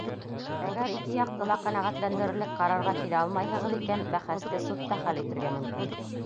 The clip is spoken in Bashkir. Әгәр ике яҡты ла ҡәнәғәтләндерерлек ҡарарға килә алмайһығыҙ икән, бәхәсте судта хәл итергә мөмкин.